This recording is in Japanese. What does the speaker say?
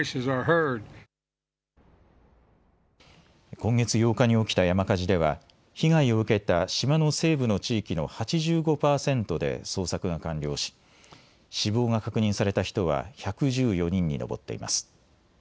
今月８日に起きた山火事では被害を受けた島の西部の地域の８５％で捜索が完了し死亡が確認された人は１１４人に上っています。